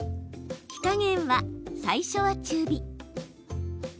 火加減は、最初は中火。